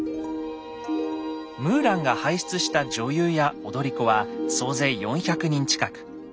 ムーランが輩出した女優や踊り子は総勢４００人近く。